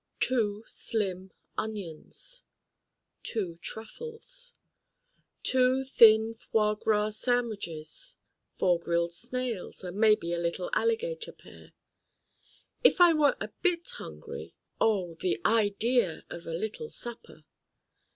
two Slim Onions. two Truffles. two Thin Foie Gras Sandwiches: Four Grilled Snails: and maybe a Little Alligator Pear. If I were a bit hungry: oh, the idea of a little supper!